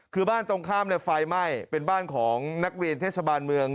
คือบ้านตรงข้ามไฟไหม้เป็นบ้านของนักเรียนเทศบาลเมือง